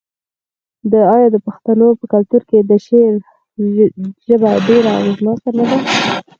آیا د پښتنو په کلتور کې د شعر ژبه ډیره اغیزناکه نه ده؟